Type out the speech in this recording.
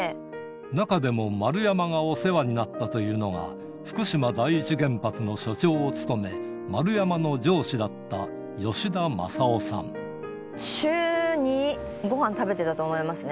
中でも丸山がお世話になったというのが、福島第一原発の所長を務め、丸山の上司だった、週２、ごはん食べてたと思いますね。